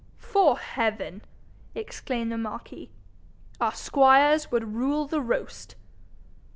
''Fore heaven!' exclaimed the marquis, 'our squires would rule the roast.'